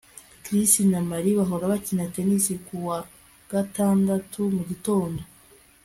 Chris na Mary bahora bakina tennis kuwa gatandatu mugitondo